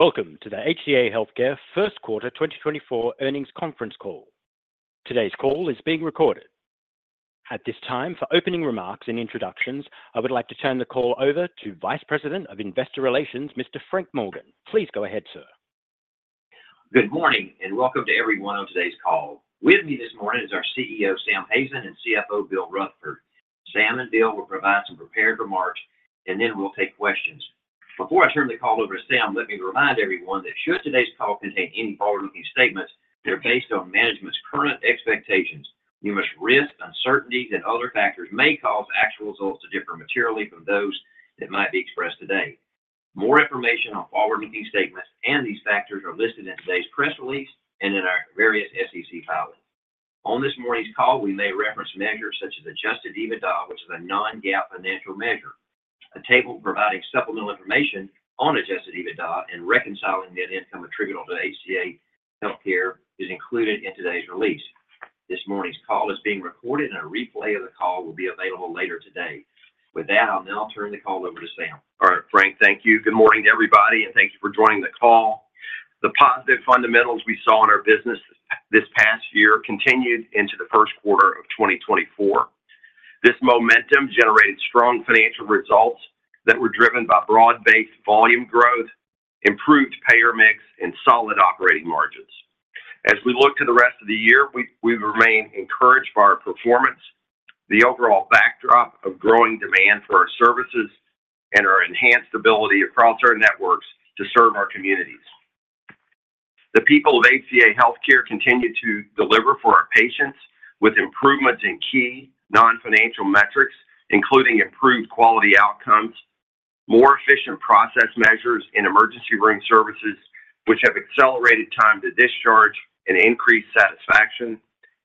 Welcome to the HCA Healthcare first quarter 2024 earnings conference Call. Today's call is being recorded. At this time, for opening remarks and introductions, I would like to turn the call over to Vice President of Investor Relations, Mr. Frank Morgan. Please go ahead, sir. Good morning, and welcome to everyone on today's call. With me this morning is our CEO, Sam Hazen, and CFO, Bill Rutherford. Sam and Bill will provide some prepared remarks, and then we'll take questions. Before I turn the call over to Sam, let me remind everyone that should today's call contain any forward-looking statements that are based on management's current expectations, these forward-looking statements are subject to risks and uncertainties that other factors may cause actual results to differ materially from those that might be expressed today. More information on forward-looking statements and these factors are listed in today's press release and in our various SEC filings. On this morning's call, we may reference measures such as Adjusted EBITDA, which is a non-GAAP financial measure. A table providing supplemental information on Adjusted EBITDA and reconciling net income attributable to HCA Healthcare is included in today's release. This morning's call is being recorded, and a replay of the call will be available later today. With that, I'll now turn the call over to Sam. All right, Frank, thank you. Good morning to everybody, and thank you for joining the call. The positive fundamentals we saw in our business this past year continued into the first quarter of 2024. This momentum generated strong financial results that were driven by broad-based volume growth, improved payer mix, and solid operating margins. As we look to the rest of the year, we remain encouraged by our performance, the overall backdrop of growing demand for our services, and our enhanced ability across our networks to serve our communities. The people of HCA Healthcare continue to deliver for our patients with improvements in key non-financial metrics, including improved quality outcomes, more efficient process measures in emergency room services, which have accelerated time to discharge and increased satisfaction,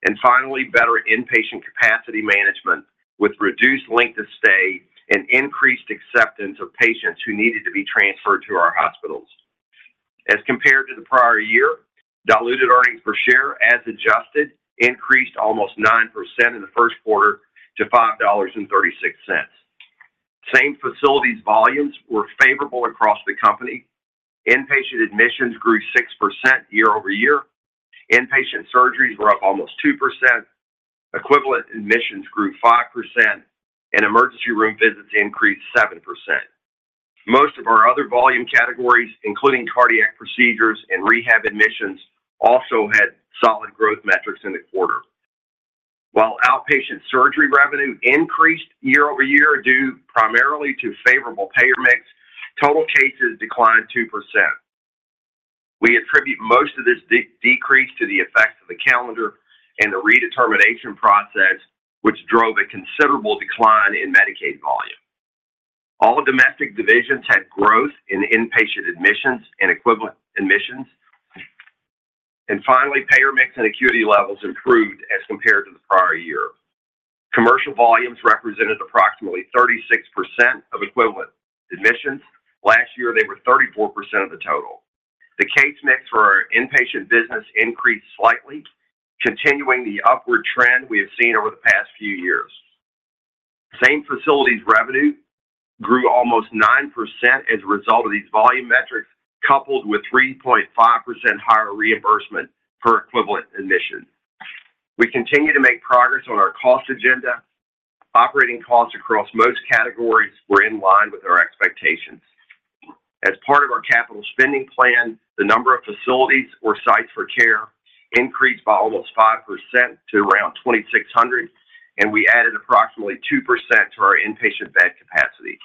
and finally, better inpatient capacity management with reduced length of stay and increased acceptance of patients who needed to be transferred to our hospitals. As compared to the prior year, diluted earnings per share, as adjusted, increased almost 9% in the first quarter to $5.36. Same facilities volumes were favorable across the company. Inpatient admissions grew 6% year-over-year, inpatient surgeries were up almost 2%, equivalent admissions grew 5%, and emergency room visits increased 7%. Most of our other volume categories, including cardiac procedures and rehab admissions, also had solid growth metrics in the quarter. While outpatient surgery revenue increased year-over-year, due primarily to favorable payer mix, total cases declined 2%. We attribute most of this decrease to the effects of the calendar and the redetermination process, which drove a considerable decline in Medicaid volume. All domestic divisions had growth in inpatient admissions and equivalent admissions. And finally, payer mix and acuity levels improved as compared to the prior year. Commercial volumes represented approximately 36% of equivalent admissions. Last year, they were 34% of the total. The case mix for our inpatient business increased slightly, continuing the upward trend we have seen over the past few years. Same facilities revenue grew almost 9% as a result of these volume metrics, coupled with 3.5% higher reimbursement per equivalent admission. We continue to make progress on our cost agenda. Operating costs across most categories were in line with our expectations. As part of our capital spending plan, the number of facilities or sites for care increased by almost 5% to around 2,600, and we added approximately 2% to our inpatient bed capacity.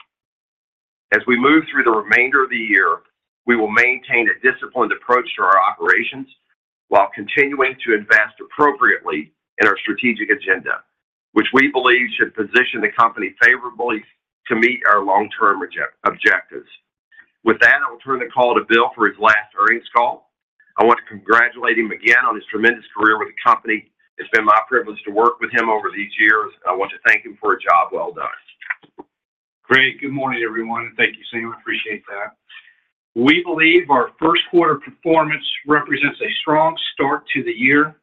As we move through the remainder of the year, we will maintain a disciplined approach to our operations while continuing to invest appropriately in our strategic agenda, which we believe should position the company favorably to meet our long-term objectives. With that, I'll turn the call to Bill for his last earnings call. I want to congratulate him again on his tremendous career with the company. It's been my privilege to work with him over these years. I want to thank him for a job well done. Great. Good morning, everyone, and thank you, Sam. I appreciate that. We believe our first quarter performance represents a strong start to the year,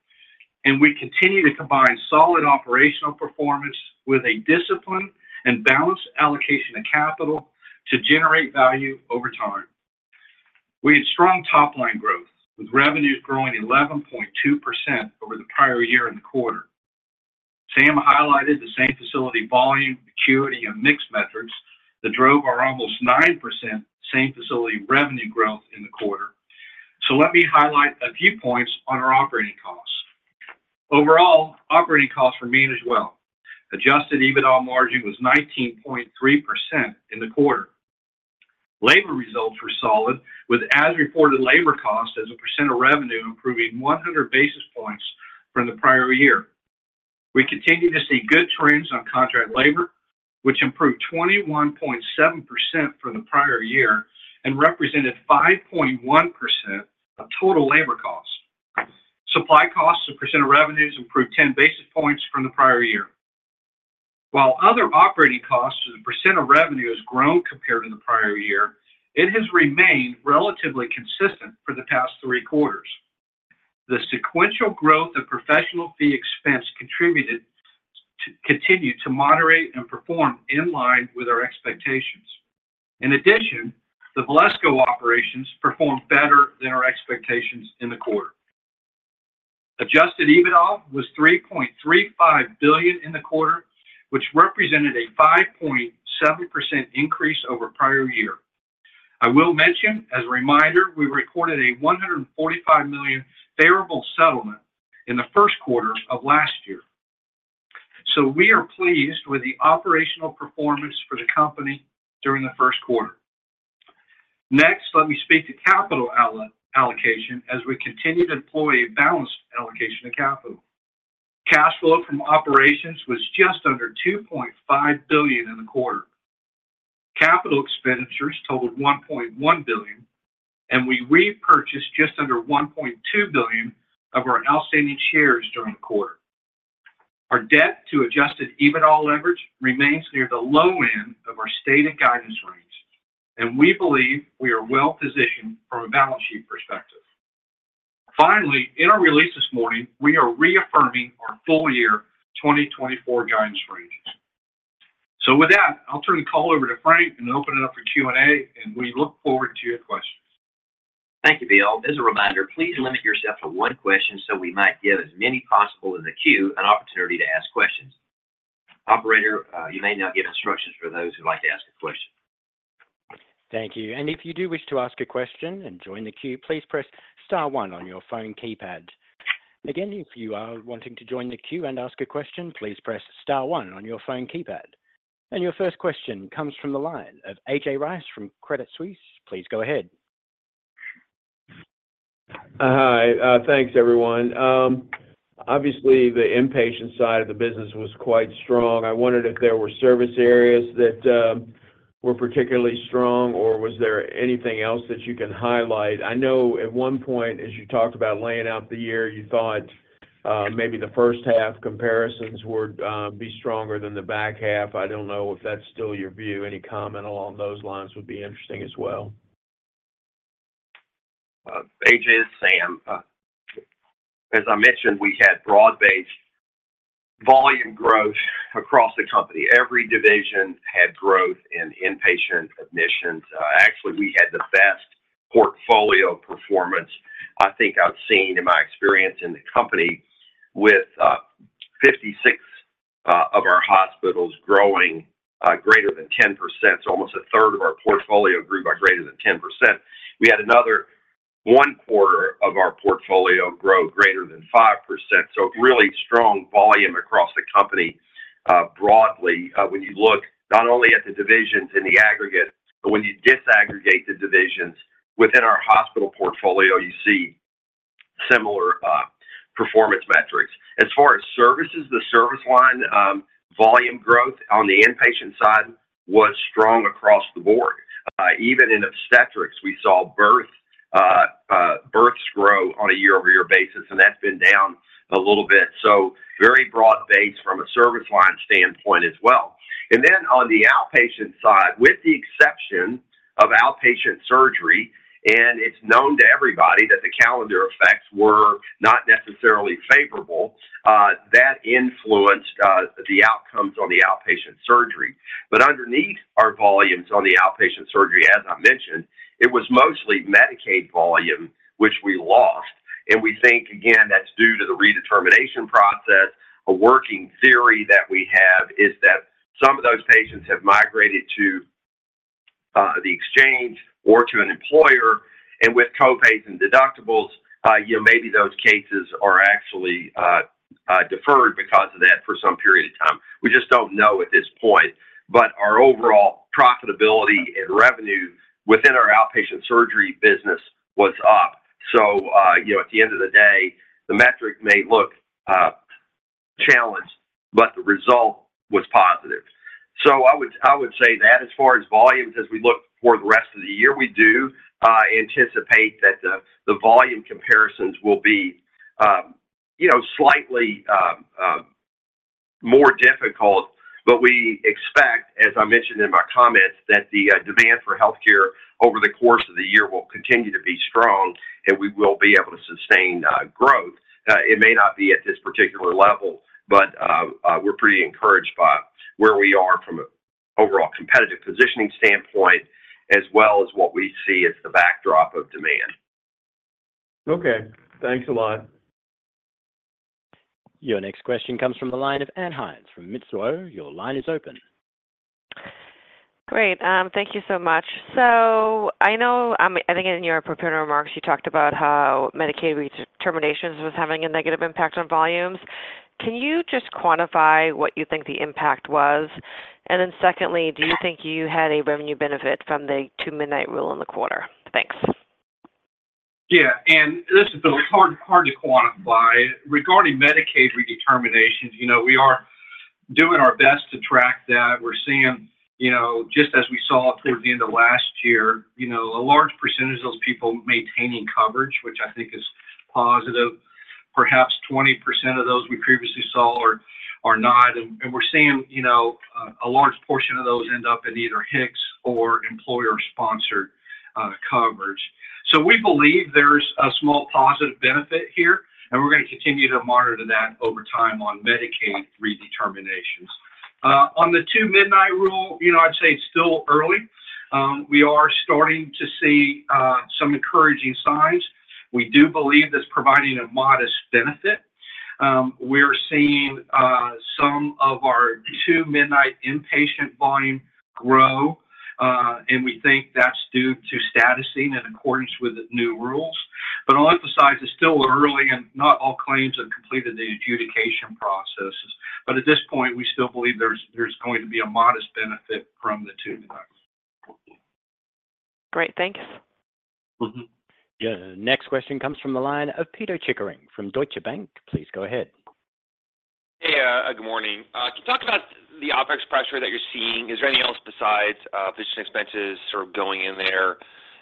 and we continue to combine solid operational performance with a disciplined and balanced allocation of capital to generate value over time. We had strong top-line growth, with revenues growing 11.2% over the prior year in the quarter. Sam highlighted the same facility, volume, acuity, and mix metrics that drove our almost 9% same-facility revenue growth in the quarter. So let me highlight a few points on our operating costs. Overall, operating costs were managed well. Adjusted EBITDA margin was 19.3% in the quarter. Labor results were solid, with as-reported labor cost as a percent of revenue, improving 100 basis points from the prior year. We continue to see good trends on contract labor, which improved 21.7% from the prior year and represented 5.1% of total labor costs. Supply costs as a percent of revenues improved ten basis points from the prior year. While other operating costs as a percent of revenue has grown compared to the prior year, it has remained relatively consistent for the past three quarters. The sequential growth of professional fee expense continue to moderate and perform in line with our expectations. In addition, the Valesco operations performed better than our expectations in the quarter. Adjusted EBITDA was $3.35 billion in the quarter, which represented a 5.7% increase over prior year. I will mention, as a reminder, we recorded a $145 million favorable settlement in the first quarter of last year. So we are pleased with the operational performance for the company during the first quarter. Next, let me speak to capital allocation, as we continue to employ a balanced allocation of capital. Cash flow from operations was just under $2.5 billion in the quarter. Capital expenditures totaled $1.1 billion, and we repurchased just under $1.2 billion of our outstanding shares during the quarter. Our debt to Adjusted EBITDA leverage remains near the low end of our stated guidance range, and we believe we are well positioned from a balance sheet perspective. Finally, in our release this morning, we are reaffirming our full year 2024 guidance ranges. So with that, I'll turn the call over to Frank and open it up for Q&A, and we look forward to your questions. Thank you, Bill. As a reminder, please limit yourself to one question, so we might give as many possible in the queue an opportunity to ask questions. Operator, you may now give instructions for those who'd like to ask a question. Thank you. And if you do wish to ask a question and join the queue, please press star one on your phone keypad. Again, if you are wanting to join the queue and ask a question, please press star one on your phone keypad. And your first question comes from the line of A.J. Rice from Credit Suisse. Please go ahead. Hi. Thanks, everyone. Obviously, the inpatient side of the business was quite strong. I wondered if there were service areas that were particularly strong, or was there anything else that you can highlight? I know at one point, as you talked about laying out the year, you thought maybe the first half comparisons would be stronger than the back half. I don't know if that's still your view. Any comment along those lines would be interesting as well. A.J., it's Sam. As I mentioned, we had broad-based volume growth across the company. Every division had growth in inpatient admissions. Actually, we had the best portfolio performance I think I've seen in my experience in the company with 56 of our hospitals growing greater than 10%. So almost a third of our portfolio grew by greater than 10%. We had another one quarter of our portfolio grow greater than 5%, so really strong volume across the company, broadly. When you look not only at the divisions in the aggregate, but when you disaggregate the divisions within our hospital portfolio, you see similar performance metrics. As far as services, the service line, volume growth on the inpatient side was strong across the board. Even in obstetrics, we saw births grow on a year-over-year basis, and that's been down a little bit, so very broad-based from a service line standpoint as well. Then on the outpatient side, with the exception of outpatient surgery, and it's known to everybody that the calendar effects were not necessarily favorable, that influenced the outcomes on the outpatient surgery. But underneath our volumes on the outpatient surgery, as I mentioned, it was mostly Medicaid volume, which we lost, and we think, again, that's due to the redetermination process. A working theory that we have is that some of those patients have migrated to the exchange or to an employer, and with co-pays and deductibles, you know, maybe those cases are actually deferred because of that for some period of time. We just don't know at this point. But our overall profitability and revenue within our outpatient surgery business was up. So, you know, at the end of the day, the metric may look challenged, but the result was positive. So I would, I would say that as far as volumes, as we look for the rest of the year, we do anticipate that the volume comparisons will be, you know, slightly more difficult. But we expect, as I mentioned in my comments, that the demand for healthcare over the course of the year will continue to be strong, and we will be able to sustain growth. It may not be at this particular level, but we're pretty encouraged by where we are from a overall competitive positioning standpoint, as well as what we see as the backdrop of demand. Okay, thanks a lot. Your next question comes from the line of Ann Hynes from Mizuho. Your line is open. Great. Thank you so much. So I know, I think in your prepared remarks, you talked about how Medicaid redeterminations was having a negative impact on volumes. Can you just quantify what you think the impact was? And then secondly, do you think you had a revenue benefit from the two-midnight rule in the quarter? Thanks. Yeah, and listen, Bill, it's hard to quantify. Regarding Medicaid redeterminations, you know, we are doing our best to track that. We're seeing, you know, just as we saw toward the end of last year, you know, a large percentage of those people maintaining coverage, which I think is positive. Perhaps 20% of those we previously saw are not, and we're seeing, you know, a large portion of those end up in either HIX or employer-sponsored coverage. So we believe there's a small positive benefit here, and we're gonna continue to monitor that over time on Medicaid redeterminations. On the Two-Midnight Rule, you know, I'd say it's still early. We are starting to see some encouraging signs. We do believe it's providing a modest benefit. We're seeing some of our two midnight inpatient volume grow, and we think that's due to statusing in accordance with the new rules. But I'll emphasize, it's still early, and not all claims have completed the adjudication processes. But at this point, we still believe there's going to be a modest benefit from the two midnights. Great, thanks. Mm-hmm. Yeah. Next question comes from the line of Pito Chickering from Deutsche Bank. Please go ahead. Hey, good morning. Can you talk about the OpEx pressure that you're seeing? Is there anything else besides physician expenses sort of going in there?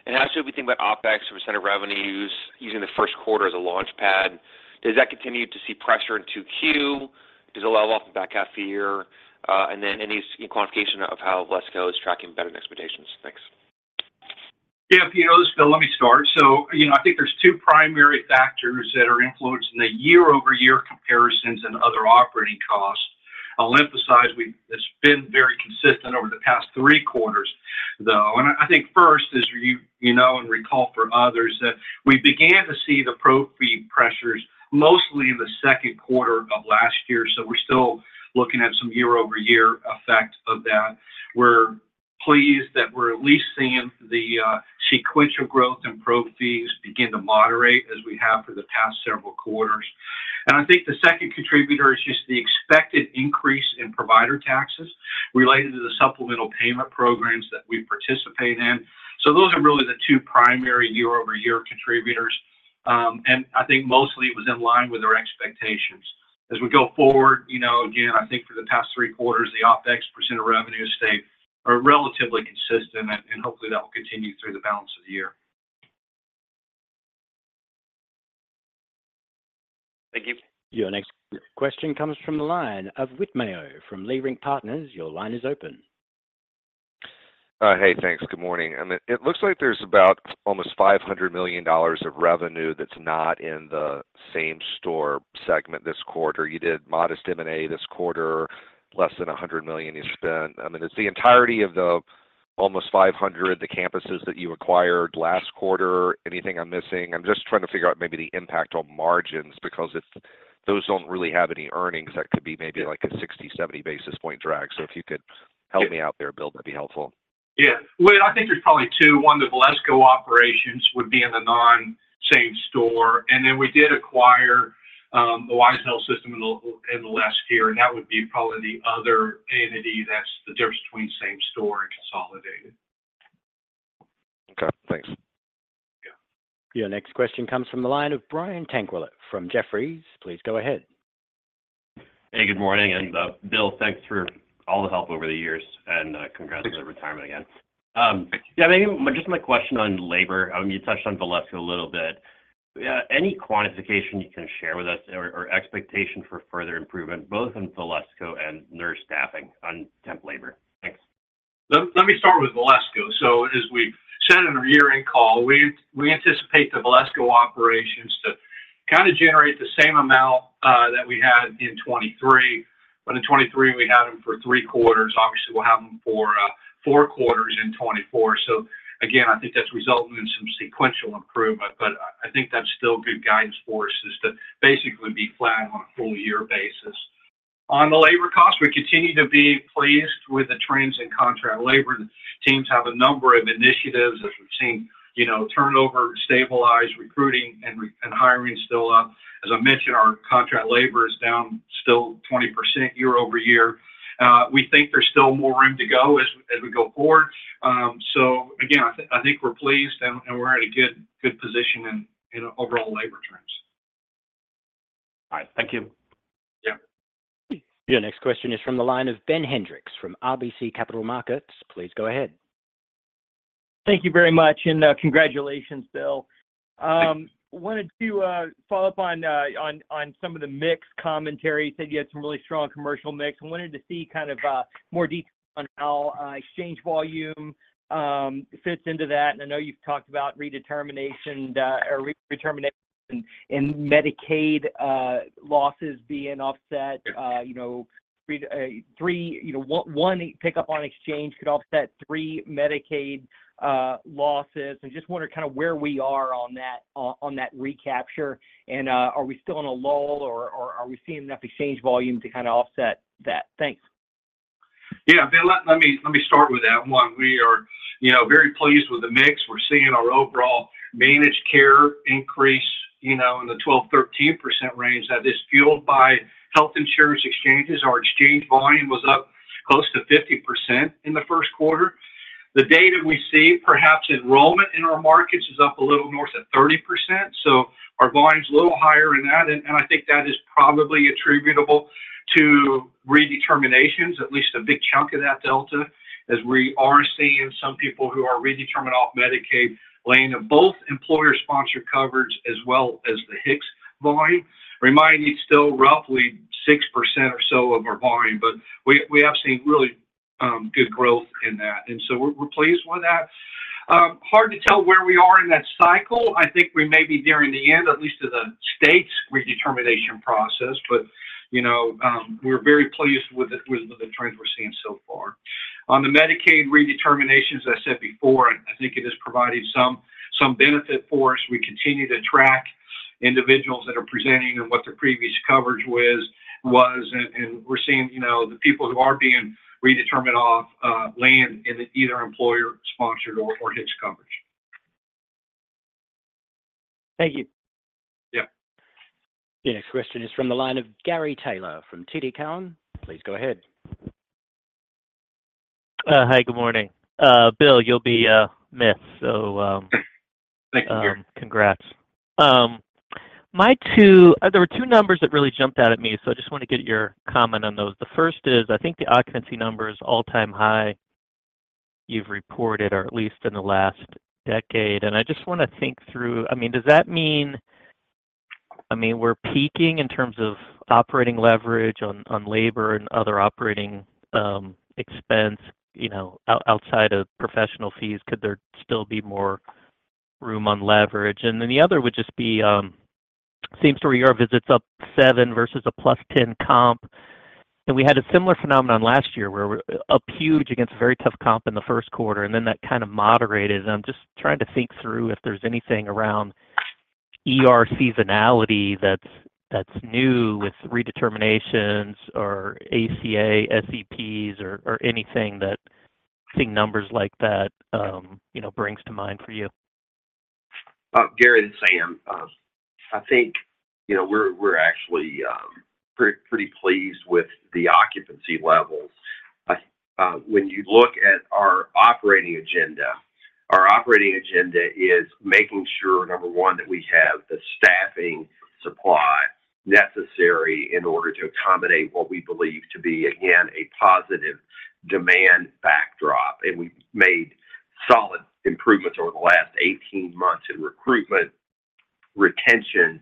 And actually, if we think about OpEx percent of revenues using the first quarter as a launchpad, does that continue to see pressure in 2Q? Does it level off in the back half of the year? And then any quantification of how Valesco is tracking better than expectations? Thanks. Yeah, Pito, this is Bill. Let me start. So, you know, I think there's two primary factors that are influencing the year-over-year comparisons and other operating costs. I'll emphasize. It's been very consistent over the past three quarters, though. And I think first, as you know, and recall for others, that we began to see the pro fee pressures mostly in the second quarter of last year. So we're still looking at some year-over-year effect of that. We're pleased that we're at least seeing the sequential growth in pro fees begin to moderate, as we have for the past several quarters. And I think the second contributor is just the expected increase in provider taxes related to the supplemental payment programs that we participate in. So those are really the two primary year-over-year contributors, and I think mostly it was in line with our expectations. As we go forward, you know, again, I think for the past three quarters, the OpEx percent of revenue stayed relatively consistent, and hopefully that will continue through the balance of the year. Thank you. Your next question comes from the line of Whit Mayo from Leerink Partners. Your line is open. Hey, thanks. Good morning. I mean, it looks like there's about almost $500 million of revenue that's not in the same-store segment this quarter. You did modest M&A this quarter, less than $100 million you spent. I mean, it's the entirety of the almost $500 million, the campuses that you acquired last quarter. Anything I'm missing? I'm just trying to figure out maybe the impact on margins, because if those don't really have any earnings, that could be maybe, like, a 60-70 basis point drag. So if you could help me out there, Bill, that'd be helpful. Yeah. Well, I think there's probably two. One, the Valesco operations would be in the non-same store, and then we did acquire the Wise Health System in the last year, and that would be probably the other entity that's the difference between same-store and consolidated. Okay, thanks. Yeah. Your next question comes from the line of Brian Tanquilut from Jefferies. Please go ahead. Hey, good morning, and Bill, thanks for all the help over the years, and congrats- Thank you... on the retirement again. Yeah, maybe just my question on labor. You touched on Valesco a little bit. Yeah, any quantification you can share with us or, or expectation for further improvement, both in Valesco and nurse staffing on temp labor? Thanks. Let me start with Valesco. So as we said in our year-end call, we anticipate the Valesco operations to kinda generate the same amount that we had in 2023. But in 2023, we had them for three quarters. Obviously, we'll have them for four quarters in 2024. So again, I think that's resulting in some sequential improvement, but I think that's still good guidance for us, is to basically be flat on a full year basis. On the labor costs, we continue to be pleased with the trends in contract labor. The teams have a number of initiatives, as we've seen, you know, turnover stabilize, recruiting and hiring still up. As I mentioned, our contract labor is down still 20% year-over-year. We think there's still more room to go as we go forward. So again, I think we're pleased and we're in a good position in overall labor trends. All right. Thank you. Yeah. Your next question is from the line of Ben Hendrix from RBC Capital Markets. Please go ahead. Thank you very much, and congratulations, Bill. Thanks. Wanted to follow up on some of the mix commentary. You said you had some really strong commercial mix. I wanted to see kind of more detail on how exchange volume fits into that. And I know you've talked about redetermination in Medicaid losses being offset. You know, three, you know, one pick up on exchange could offset three Medicaid losses. So just wondering kinda where we are on that recapture, and are we still in a lull, or are we seeing enough exchange volume to kinda offset that? Thanks. Yeah, Ben, let me start with that one. We are, you know, very pleased with the mix. We're seeing our overall managed care increase, you know, in the 12%-13% range. Now, this is fueled by health insurance exchanges. Our exchange volume was up close to 50% in the first quarter. The data we see, perhaps enrollment in our markets is up a little north of 30%, so our volume's a little higher than that, and I think that is probably attributable to redeterminations, at least a big chunk of that delta, as we are seeing some people who are redetermined off Medicaid landing in both employer-sponsored coverage as well as the HIX.... volume. Remind you, it's still roughly 6% or so of our volume, but we have seen really good growth in that, and so we're pleased with that. Hard to tell where we are in that cycle. I think we may be nearing the end, at least to the state's redetermination process, but you know, we're very pleased with the trends we're seeing so far. On the Medicaid redeterminations, as I said before, I think it has provided some benefit for us. We continue to track individuals that are presenting and what their previous coverage was, and we're seeing, you know, the people who are being redetermined off land in either employer-sponsored or HIX coverage. Thank you. Yeah. The next question is from the line of Gary Taylor from TD Cowen. Please go ahead. Hi, good morning. Bill, you'll be missed, so, Thank you, Gary. Congrats. There were two numbers that really jumped out at me, so I just want to get your comment on those. The first is, I think the occupancy number is all-time high you've reported, or at least in the last decade, and I just wanna think through... I mean, does that mean, I mean, we're peaking in terms of operating leverage on, on labor and other operating, expense, you know, outside of professional fees? Could there still be more room on leverage? And then the other would just be, same story, your visits up 7 versus a +10 comp. And we had a similar phenomenon last year, where we're up huge against a very tough comp in the first quarter, and then that kind of moderated. I'm just trying to think through if there's anything around ER seasonality that's new with redeterminations or ACA, SEP or anything that seeing numbers like that, you know, brings to mind for you? Gary, it's Sam. I think, you know, we're actually pretty pleased with the occupancy levels. When you look at our operating agenda, our operating agenda is making sure, number one, that we have the staffing supply necessary in order to accommodate what we believe to be, again, a positive demand backdrop. We've made solid improvements over the last 18 months in recruitment, retention,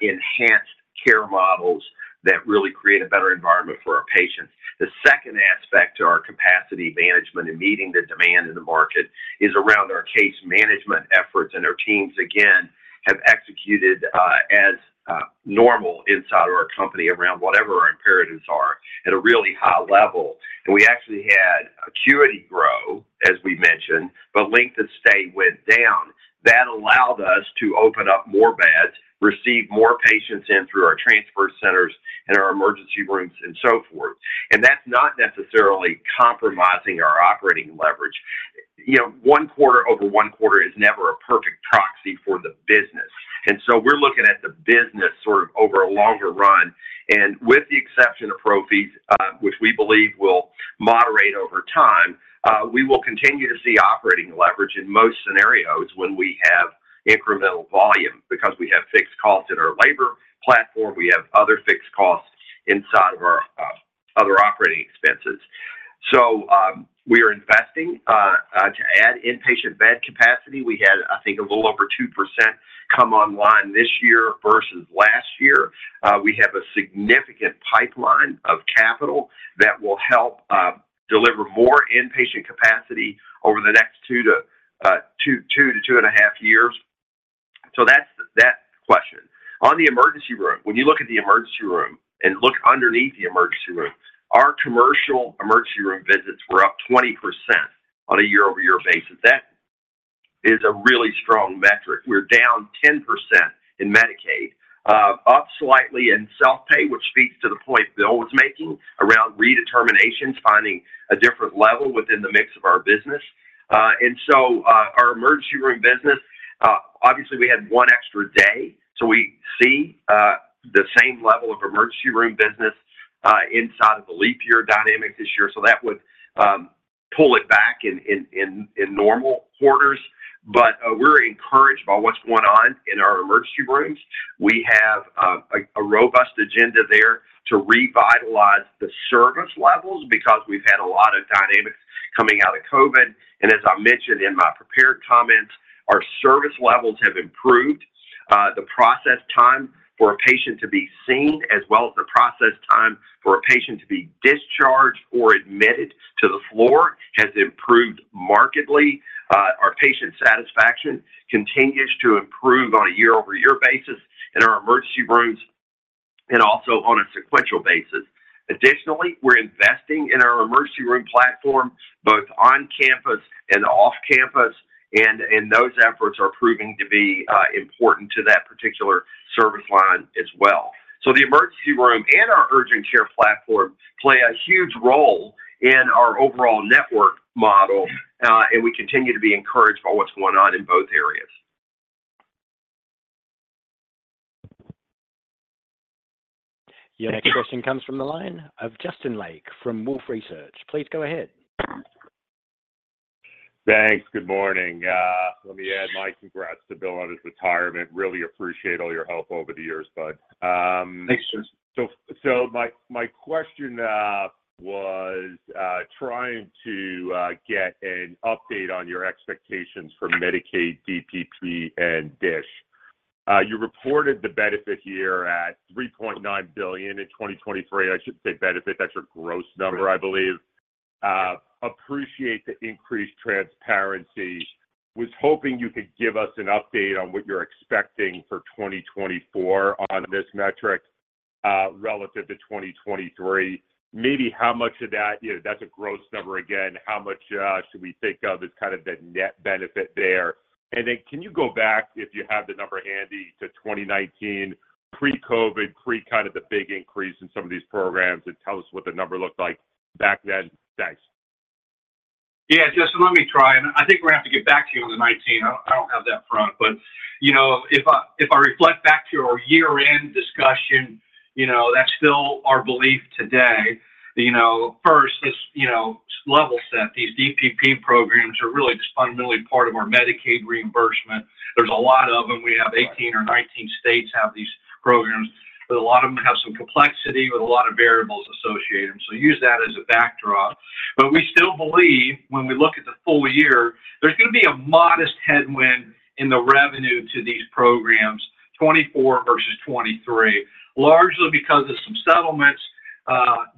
enhanced care models that really create a better environment for our patients. The second aspect to our capacity management and meeting the demand in the market is around our case management efforts, and our teams, again, have executed as normal inside of our company around whatever our imperatives are at a really high level. We actually had acuity grow, as we mentioned, but length of stay went down. That allowed us to open up more beds, receive more patients in through our transfer centers and our emergency rooms and so forth. And that's not necessarily compromising our operating leverage. You know, one quarter over one quarter is never a perfect proxy for the business, and so we're looking at the business sort of over a longer run. And with the exception of pro fees, which we believe will moderate over time, we will continue to see operating leverage in most scenarios when we have incremental volume, because we have fixed costs in our labor platform, we have other fixed costs inside of our, other operating expenses. So, we are investing, to add inpatient bed capacity. We had, I think, a little over 2% come online this year versus last year. We have a significant pipeline of capital that will help deliver more inpatient capacity over the next two to two and a half years. So that's that question. On the emergency room, when you look at the emergency room and look underneath the emergency room, our commercial emergency room visits were up 20% on a year-over-year basis. That is a really strong metric. We're down 10% in Medicaid, up slightly in self-pay, which speaks to the point Bill was making around redeterminations, finding a different level within the mix of our business. And so, our emergency room business, obviously, we had one extra day, so we see the same level of emergency room business inside of the leap year dynamic this year. So that would pull it back in normal quarters. But, we're encouraged by what's going on in our emergency rooms. We have a robust agenda there to revitalize the service levels, because we've had a lot of dynamics coming out of COVID. And as I mentioned in my prepared comments, our service levels have improved. The process time for a patient to be seen, as well as the process time for a patient to be discharged or admitted to the floor, has improved markedly. Our patient satisfaction continues to improve on a year-over-year basis in our emergency rooms and also on a sequential basis. Additionally, we're investing in our emergency room platform, both on campus and off campus, and those efforts are proving to be important to that particular service line as well. So the emergency room and our urgent care platform play a huge role in our overall network model, and we continue to be encouraged by what's going on in both areas. Your next question comes from the line of Justin Lake from Wolfe Research. Please go ahead. Thanks. Good morning. Let me add my congrats to Bill on his retirement. Really appreciate all your help over the years, bud. Thanks, Justin. So my question was trying to get an update on your expectations for Medicaid, DPP, and DSH. You reported the benefit year at $3.9 billion in 2023. I shouldn't say benefit, that's your gross number, I believe. Appreciate the increased transparency. Was hoping you could give us an update on what you're expecting for 2024 on this metric, relative to 2023. Maybe how much of that, you know, that's a gross number again, how much should we think of as kind of the net benefit there? And then can you go back, if you have the number handy, to 2019, pre-COVID, pre kind of the big increase in some of these programs, and tell us what the number looked like back then? Thanks. Yeah, Justin, let me try, and I think we're gonna have to get back to you on the 19. I don't have that front, but, you know, if I reflect back to our year-end discussion, you know, that's still our belief today. You know, first, this, you know, level set, these DPP programs are really fundamentally part of our Medicaid reimbursement. There's a lot of them. We have 18 or 19 states have these programs, but a lot of them have some complexity with a lot of variables associated, so use that as a backdrop. But we still believe when we look at the full year, there's gonna be a modest headwind in the revenue to these programs, 2024 versus 2023, largely because of some settlements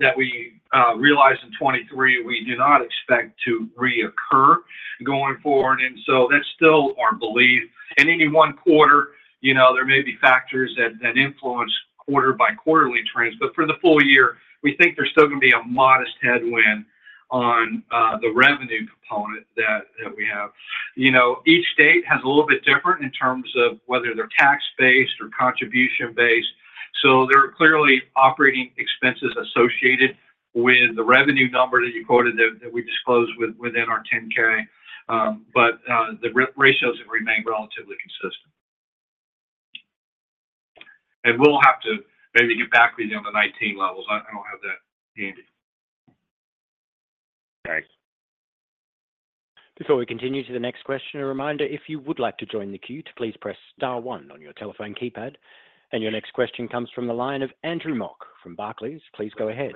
that we realized in 2023; we do not expect to reoccur going forward. That's still our belief. In any one quarter, you know, there may be factors that influence quarter by quarterly trends, but for the full year, we think there's still gonna be a modest headwind on the revenue component that we have. You know, each state has a little bit different in terms of whether they're tax-based or contribution-based. So there are clearly operating expenses associated with the revenue number that you quoted that we disclosed within our 10-K. But the ratios have remained relatively consistent. And we'll have to maybe get back with you on the 2019 levels. I don't have that handy. Thanks. Before we continue to the next question, a reminder, if you would like to join the queue, to please press star one on your telephone keypad. Your next question comes from the line of Andrew Mok from Barclays. Please go ahead.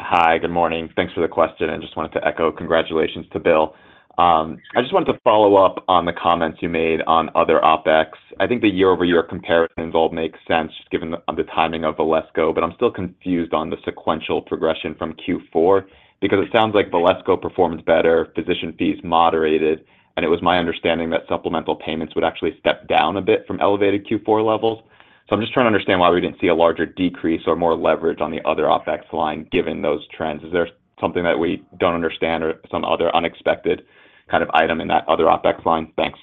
Hi, good morning. Thanks for the question, and just wanted to echo congratulations to Bill. I just wanted to follow up on the comments you made on other OpEx. I think the year-over-year comparisons all make sense given the timing of Valesco, but I'm still confused on the sequential progression from Q4, because it sounds like Valesco performed better, physician fees moderated, and it was my understanding that supplemental payments would actually step down a bit from elevated Q4 levels. So I'm just trying to understand why we didn't see a larger decrease or more leverage on the other OpEx line, given those trends. Is there something that we don't understand or some other unexpected kind of item in that other OpEx line? Thanks.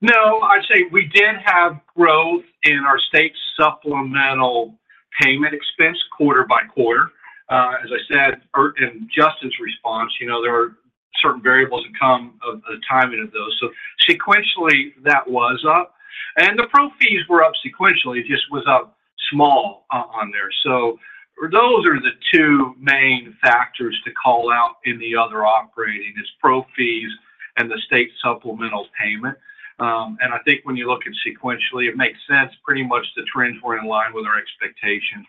No, I'd say we did have growth in our state supplemental payment expense quarter by quarter. As I said, and Justin's response, you know, there are certain variables that come of the timing of those. So sequentially, that was up, and the pro fees were up sequentially, it just was up small on there. So those are the two main factors to call out in the other operating, is pro fees and the state supplemental payment. And I think when you look at sequentially, it makes sense. Pretty much the trends were in line with our expectations,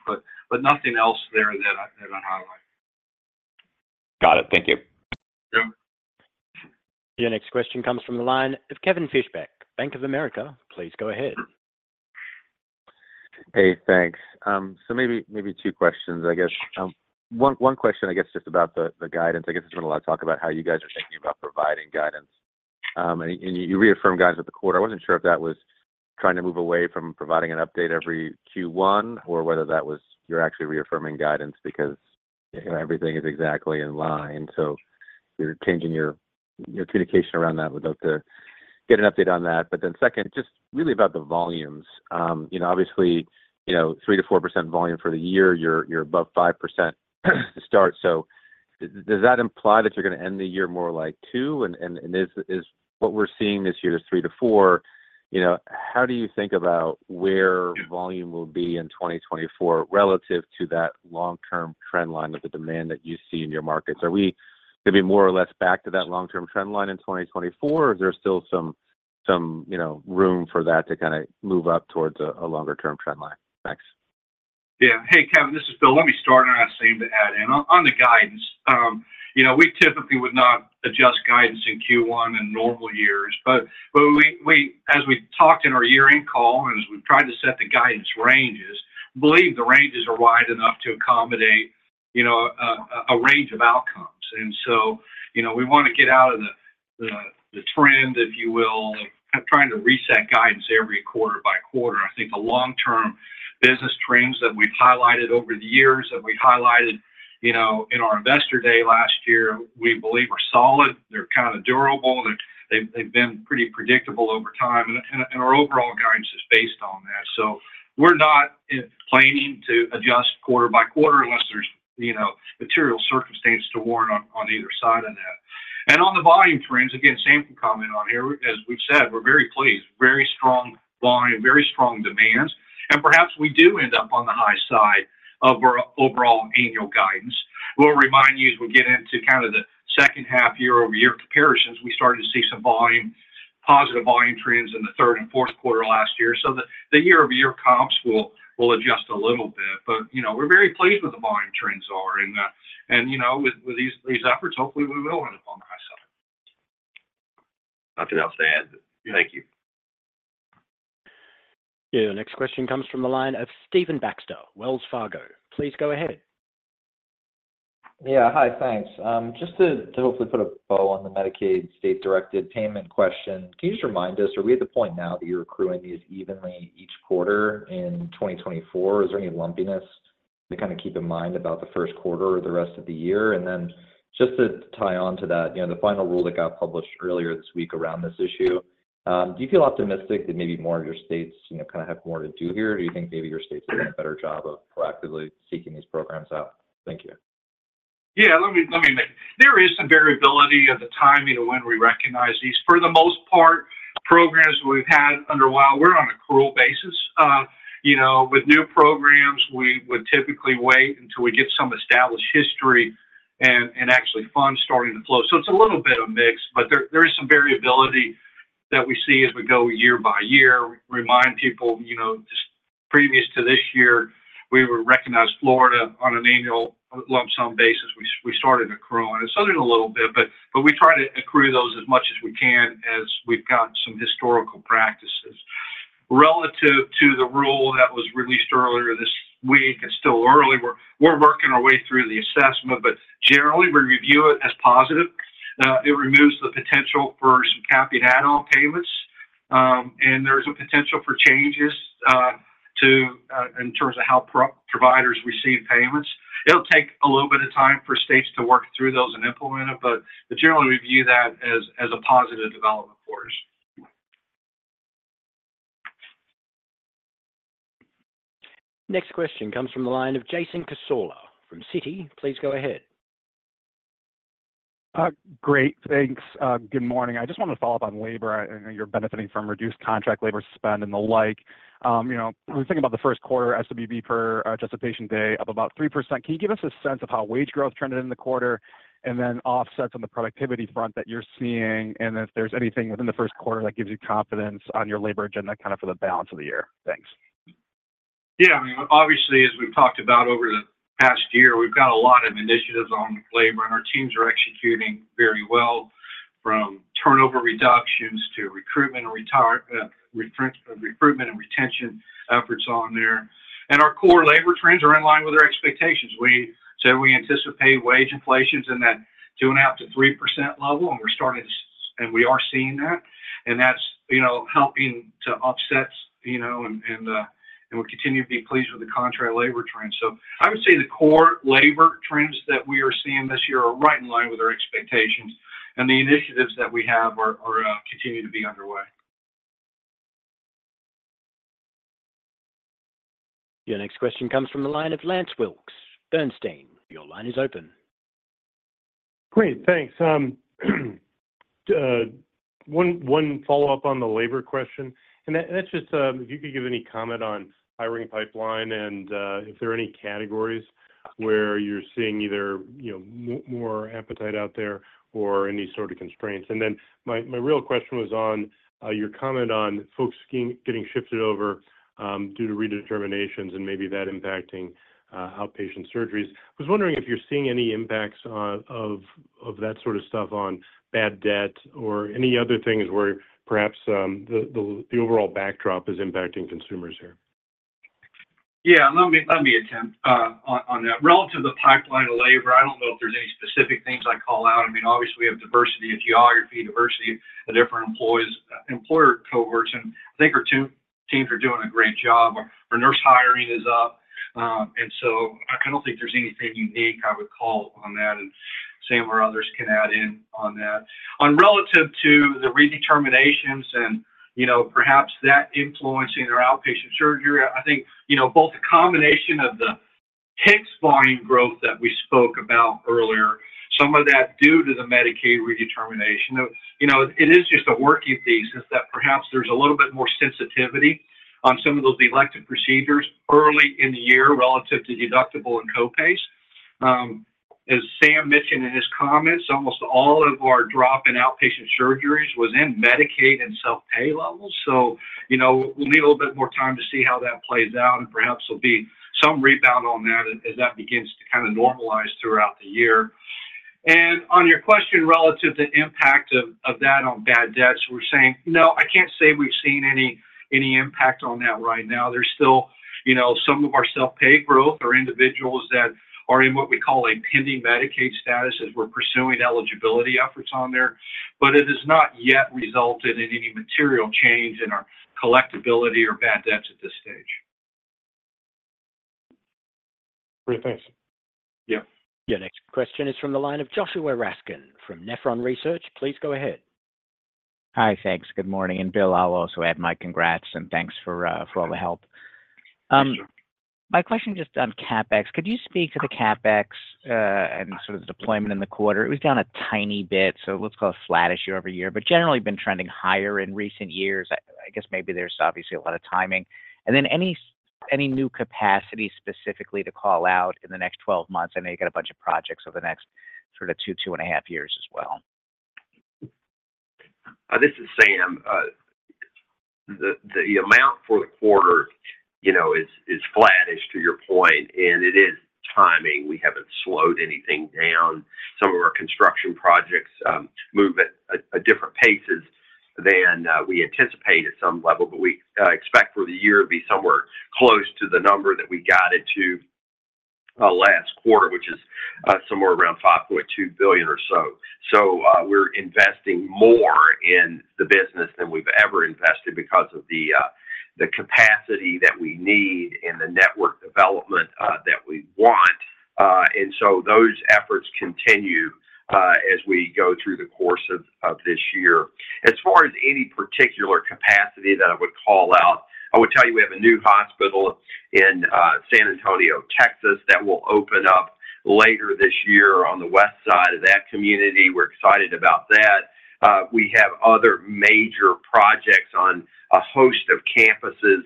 nothing else there that I'd highlight. Got it. Thank you. Sure. Your next question comes from the line of Kevin Fischbeck, Bank of America. Please go ahead. Hey, thanks. So maybe, maybe two questions. I guess one, one question, I guess, just about the, the guidance. I guess there's been a lot of talk about how you guys are thinking about providing guidance. And you, you reaffirmed guidance at the quarter. I wasn't sure if that was trying to move away from providing an update every Q1 or whether that was you're actually reaffirming guidance because, you know, everything is exactly in line, so you're changing your, your communication around that. Would love to get an update on that. But then second, just really about the volumes. You know, obviously, you know, 3%-4% volume for the year, you're, you're above 5% to start. So does that imply that you're gonna end the year more like 2%? What we're seeing this year is 3%-4% you know, how do you think about where volume will be in 2024 relative to that long-term trend line with the demand that you see in your markets? Are we gonna be more or less back to that long-term trend line in 2024, or is there still some, you know, room for that to kinda move up towards a longer-term trend line? Thanks. Yeah. Hey, Kevin, this is Bill. Let me start, and I'll ask Sam to add in. On the guidance, you know, we typically would not adjust guidance in Q1 in normal years, but we, as we talked in our year-end call and as we've tried to set the guidance ranges, believe the ranges are wide enough to accommodate, you know, a range of outcomes. And so, you know, we wanna get out of the trend, if you will, of trying to reset guidance every quarter by quarter. I think the long-term business trends that we've highlighted over the years, that we highlighted, you know, in our Investor Day last year, we believe are solid. They're kind of durable. They've been pretty predictable over time, and our overall guidance is based on that. So we're not planning to adjust quarter by quarter unless there's, you know, material circumstance to warrant on either side of that. And on the volume trends, again, Sam can comment on here. As we've said, we're very pleased, very strong volume, very strong demands, and perhaps we do end up on the high side of our overall annual guidance. We'll remind you, as we get into kind of the second half year-over-year comparisons, we started to see some volume, positive volume trends in the third and fourth quarter last year. So the year-over-year comps will adjust a little bit, but, you know, we're very pleased with the volume trends, and you know, with these efforts, hopefully we will end up on that.... Nothing else to add. Thank you. Yeah, the next question comes from the line of Stephen Baxter, Wells Fargo. Please go ahead. Yeah. Hi, thanks. Just to hopefully put a bow on the Medicaid state-directed payment question, can you just remind us, are we at the point now that you're accruing these evenly each quarter in 2024, or is there any lumpiness to kind of keep in mind about the first quarter or the rest of the year? And then just to tie on to that, you know, the final rule that got published earlier this week around this issue, do you feel optimistic that maybe more of your states, you know, kind of have more to do here? Do you think maybe your states doing a better job of proactively seeking these programs out? Thank you. Yeah, let me make... There is some variability of the timing of when we recognize these. For the most part, programs we've had underway, we're on accrual basis. You know, with new programs, we would typically wait until we get some established history and actually funds starting to flow. So it's a little bit of mix, but there is some variability that we see as we go year by year. Remind people, you know, just previous to this year, we recognized Florida on an annual lump sum basis. We started accruing, and it's only a little bit, but we try to accrue those as much as we can as we've got some historical practices. Relative to the rule that was released earlier this week, and still early, we're working our way through the assessment, but generally, we review it as positive. It removes the potential for some capped add-on payments, and there's a potential for changes in terms of how providers receive payments. It'll take a little bit of time for states to work through those and implement it, but generally, we view that as a positive development for us. Next question comes from the line of Jason Cassorla from Citi. Please go ahead. Great. Thanks. Good morning. I just wanted to follow up on labor. I know you're benefiting from reduced contract labor spend and the like. You know, when we think about the first quarter, SWB per just a patient day, up about 3%. Can you give us a sense of how wage growth trended in the quarter? And then offsets on the productivity front that you're seeing, and if there's anything within the first quarter that gives you confidence on your labor agenda, kind of for the balance of the year. Thanks. Yeah. I mean, obviously, as we've talked about over the past year, we've got a lot of initiatives on labor, and our teams are executing very well, from turnover reductions to recruitment and retention efforts on there. Our core labor trends are in line with our expectations. We said, we anticipate wage inflations in that 2.5%-3% level, and we're starting to—and we are seeing that. And that's, you know, helping to offset, you know, and, and, and we continue to be pleased with the current labor trends. So I would say the core labor trends that we are seeing this year are right in line with our expectations, and the initiatives that we have are continue to be underway. Your next question comes from the line of Lance Wilkes, Bernstein. Your line is open. Great, thanks. One follow-up on the labor question, and that's just if you could give any comment on hiring pipeline and if there are any categories where you're seeing either, you know, more appetite out there or any sort of constraints. And then, my real question was on your comment on folks seen getting shifted over due to redeterminations and maybe that impacting outpatient surgeries. I was wondering if you're seeing any impacts of that sort of stuff on bad debt or any other things where perhaps the overall backdrop is impacting consumers here. Yeah, let me, let me attempt on, on that. Relative to the pipeline of labor, I don't know if there's any specific things I call out. I mean, obviously, we have diversity of geography, diversity of different employees, employer cohorts, and I think our two teams are doing a great job. Our nurse hiring is up, and so I don't think there's anything unique I would call on that, and Sam or others can add in on that. On relative to the redeterminations and, you know, perhaps that influencing our outpatient surgery, I think, you know, both the combination of the HIX volume growth that we spoke about earlier, some of that due to the Medicaid redetermination. You know, it is just a working thesis that perhaps there's a little bit more sensitivity on some of those elective procedures early in the year relative to deductible and co-pays. As Sam mentioned in his comments, almost all of our drop in outpatient surgeries was in Medicaid and self-pay levels. So, you know, we'll need a little bit more time to see how that plays out, and perhaps there'll be some rebound on that as that begins to kind of normalize throughout the year. And on your question relative to impact of, of that on bad debts, we're saying, "No, I can't say we've seen any, any impact on that right now." There's still, you know, some of our self-pay growth are individuals that are in what we call a pending Medicaid status, as we're pursuing eligibility efforts on there, but it has not yet resulted in any material change in our collectibility or bad debts at this stage. Great. Thanks. Yeah. Your next question is from the line of Joshua Raskin, from Nephron Research. Please go ahead. Hi. Thanks. Good morning. And Bill, I'll also add my congrats and thanks for all the help. Thank you. My question just on CapEx. Could you speak to the CapEx, and sort of the deployment in the quarter? It was down a tiny bit, so let's call it a flattish year-over-year, but generally been trending higher in recent years. I guess maybe there's obviously a lot of timing. And then any new capacity specifically to call out in the next 12 months? I know you got a bunch of projects over the next sort of 2.5 years as well. This is Sam...The amount for the quarter, you know, is flat as to your point, and it is timing. We haven't slowed anything down. Some of our construction projects move at different paces than we anticipate at some level, but we expect for the year to be somewhere close to the number that we got it to last quarter, which is somewhere around $5.2 billion or so. So, we're investing more in the business than we've ever invested because of the capacity that we need and the network development that we want. And so those efforts continue as we go through the course of this year. As far as any particular capacity that I would call out, I would tell you we have a new hospital in San Antonio, Texas, that will open up later this year on the west side of that community. We're excited about that. We have other major projects on a host of campuses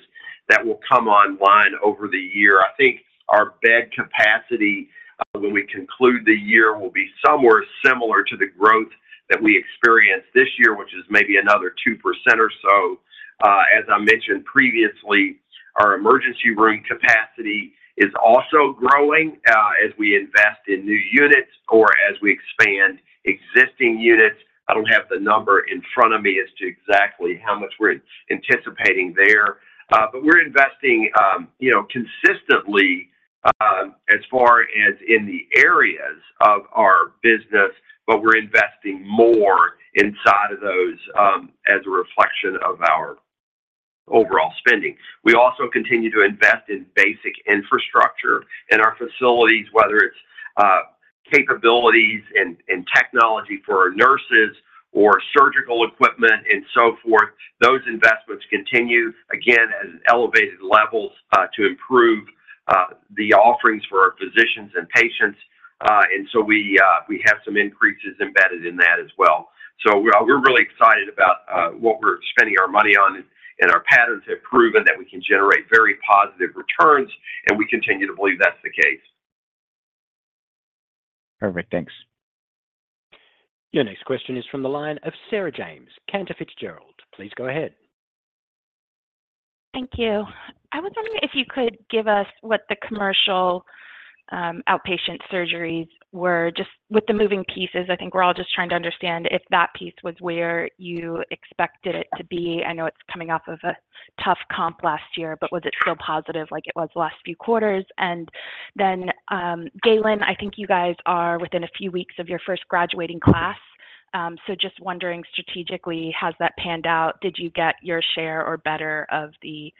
that will come online over the year. I think our bed capacity, when we conclude the year, will be somewhere similar to the growth that we experienced this year, which is maybe another 2% or so. As I mentioned previously, our emergency room capacity is also growing, as we invest in new units or as we expand existing units. I don't have the number in front of me as to exactly how much we're anticipating there, but we're investing, you know, consistently, as far as in the areas of our business, but we're investing more inside of those, as a reflection of our overall spending. We also continue to invest in basic infrastructure in our facilities, whether it's capabilities in technology for our nurses or surgical equipment and so forth. Those investments continue, again, at an elevated levels, to improve the offerings for our physicians and patients. And so we have some increases embedded in that as well. So we're really excited about what we're spending our money on, and our patterns have proven that we can generate very positive returns, and we continue to believe that's the case. Perfect. Thanks. Your next question is from the line of Sarah James, Cantor Fitzgerald. Please go ahead. Thank you. I was wondering if you could give us what the commercial outpatient surgeries were, just with the moving pieces. I think we're all just trying to understand if that piece was where you expected it to be. I know it's coming off of a tough comp last year, but was it still positive like it was the last few quarters? And then, Galen, I think you guys are within a few weeks of your first graduating class. So just wondering, strategically, how has that panned out? Did you get your share or better of the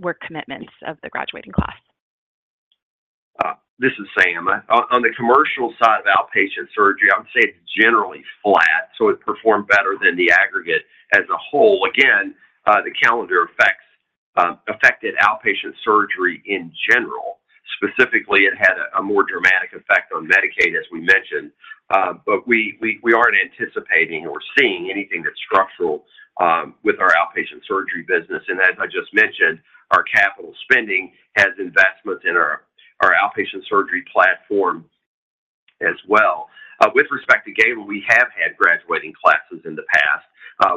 work commitments of the graduating class? This is Sam. On the commercial side of outpatient surgery, I would say it's generally flat, so it performed better than the aggregate as a whole. Again, the calendar effects affected outpatient surgery in general. Specifically, it had a more dramatic effect on Medicaid, as we mentioned. But we aren't anticipating or seeing anything that's structural with our outpatient surgery business. And as I just mentioned, our capital spending has investments in our outpatient surgery platform as well. With respect to Galen, we have had graduating classes in the past.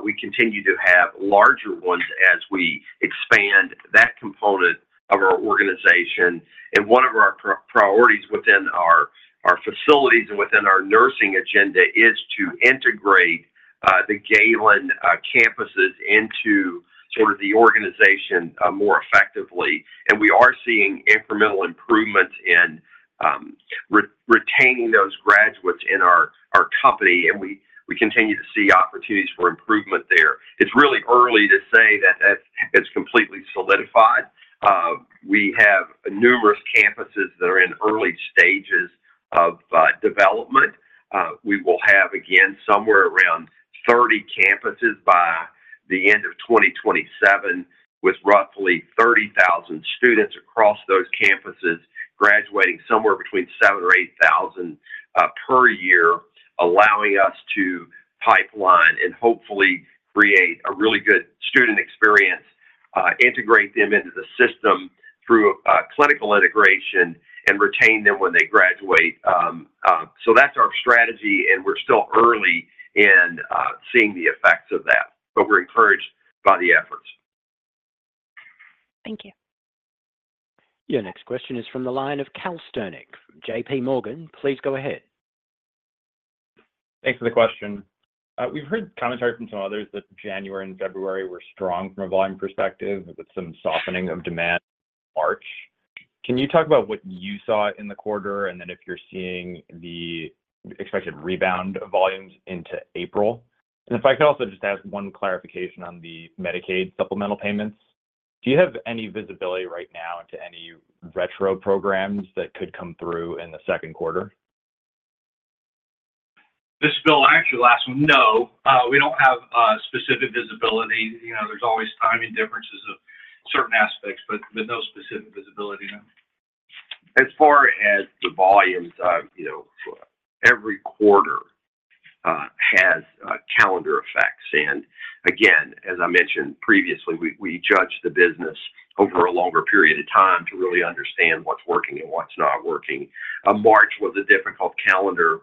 We continue to have larger ones as we expand that component of our organization, and one of our priorities within our facilities and within our nursing agenda is to integrate the Galen campuses into the organization more effectively. We are seeing incremental improvements in retaining those graduates in our company, and we continue to see opportunities for improvement there. It's really early to say that that's completely solidified. We have numerous campuses that are in early stages of development. We will have, again, somewhere around 30 campuses by the end of 2027, with roughly 30,000 students across those campuses, graduating somewhere between 7,000-8,000 per year, allowing us to pipeline and hopefully create a really good student experience, integrate them into the system through clinical integration, and retain them when they graduate. So that's our strategy, and we're still early in seeing the effects of that, but we're encouraged by the efforts. Thank you. Your next question is from the line of Cal Sternick from JPMorgan. Please go ahead. Thanks for the question. We've heard commentary from some others that January and February were strong from a volume perspective, with some softening of demand in March. Can you talk about what you saw in the quarter, and then if you're seeing the expected rebound of volumes into April? And if I could also just ask one clarification on the Medicaid supplemental payments. Do you have any visibility right now into any retro programs that could come through in the second quarter? This is Bill. I actually last one. No, we don't have specific visibility. You know, there's always timing differences of certain aspects, but, but no specific visibility now. As far as the volumes, you know, every quarter has calendar effects. Again, as I mentioned previously, we judge the business over a longer period of time to really understand what's working and what's not working. March was a difficult calendar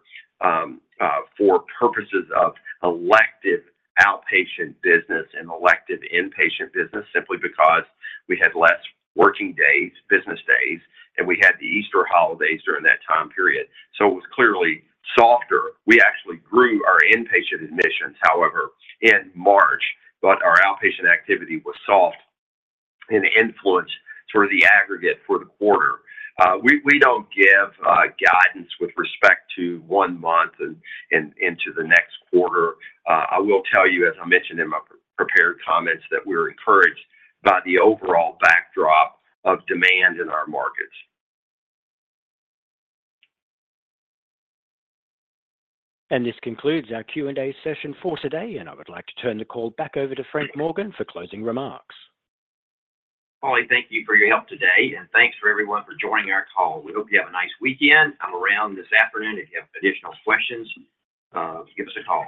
for purposes of elective outpatient business and elective inpatient business, simply because we had less working days, business days, and we had the Easter holidays during that time period, so it was clearly softer. We actually grew our inpatient admissions, however, in March, but our outpatient activity was soft and influenced sort of the aggregate for the quarter. We don't give guidance with respect to one month and into the next quarter. I will tell you, as I mentioned in my pre-prepared comments, that we're encouraged by the overall backdrop of demand in our markets. This concludes our Q&A session for today, and I would like to turn the call back over to Frank Morgan for closing remarks. Polly, thank you for your help today, and thanks for everyone for joining our call. We hope you have a nice weekend. I'm around this afternoon, if you have additional questions, give us a call.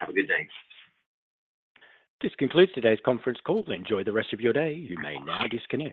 Have a good day. This concludes today's conference call. Enjoy the rest of your day. You may now disconnect.